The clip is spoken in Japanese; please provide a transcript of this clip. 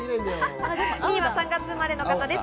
２位は３月生まれの方です。